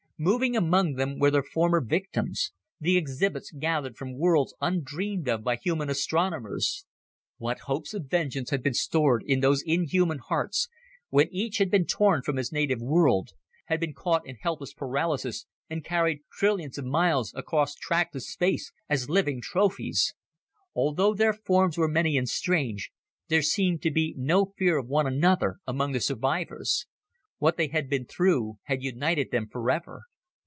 Moving among them were their former victims the exhibits gathered from worlds undreamed of by human astronomers. What hopes of vengeance had been stored in those inhuman hearts when each had been torn from his native world, had been caught in helpless paralysis and carried trillions of miles across trackless space as living trophies! Although their forms were many and strange, there seemed to be no fear of one another among the survivors. What they had been through had united them forever.